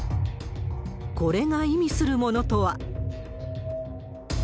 これが意味するものとは。